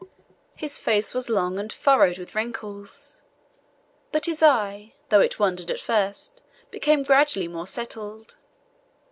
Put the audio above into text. His face was long, and furrowed with wrinkles; but his eye, though it wandered at first, became gradually more settled.